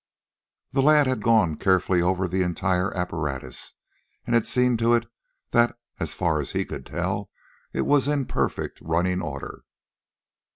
The lad had gone carefully over the entire apparatus, and had seen to it that, as far as he could tell, it was in perfect running order.